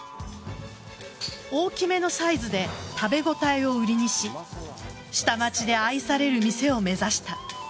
大きめのサイズで食べ応えを売りにし下町で愛される店を目指した。